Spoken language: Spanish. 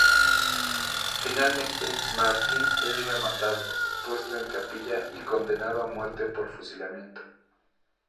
Finalmente Martín es rematado, puesto en capilla y condenado a muerte por fusilamiento.